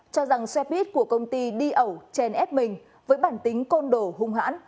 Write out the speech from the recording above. cho rằng xe pit của công ty đi ẩu trên ép mình với bản tính côn đồ hung hãn